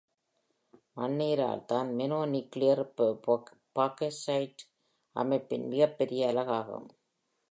மண்ணீரல் தான் mononuclear phagocyte அமைப்பின் மிகப்பெரிய அலகாகும்.